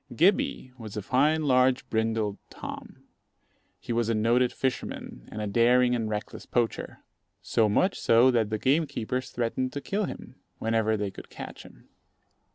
Gibbey was a fine, large, brindled Tom. He was a noted fisherman and a daring and reckless poacher, so much so that the gamekeepers threatened to kill him, whenever they could catch him.